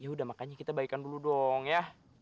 yaudah makanya kita baikan dulu dong ya